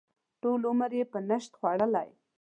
ټول عمر یې په نشت خوړلی.